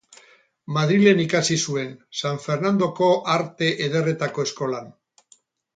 Madrilen ikasi zuen, San Fernandoko Arte Ederretako Eskolan.